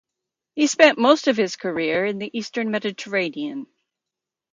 He spent most of his career in the Eastern Mediterranean.